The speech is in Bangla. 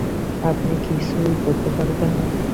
আপনি কিছুই করতে পারবেন না?